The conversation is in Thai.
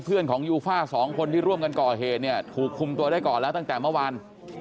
เพื่อนของยูฟ่าสองคนที่ร่วมกันก่อเหตุเนี่ยถูกคุมตัวได้ก่อนแล้วตั้งแต่เมื่อวาน